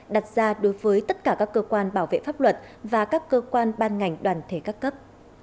đặt ra đối với tất cả các cơ quan bảo vệ pháp luật và các cơ quan ban ngành đoàn thể các cấp